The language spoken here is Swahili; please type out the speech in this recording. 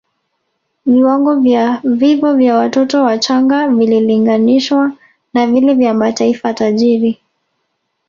Viwango vya vifo vya watoto wachanga vililinganishwa na vile vya mataifa tajiri